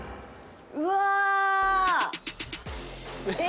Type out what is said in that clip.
うわ！え？